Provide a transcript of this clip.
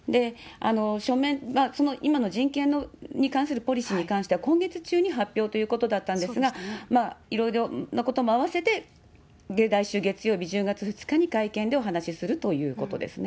書面が、その、今の人権に関するポリシーに関しては、今月中に発表ということだったんですが、いろいろなこともあわせて来週月曜日、１０月２日に会見でお話しするということですね。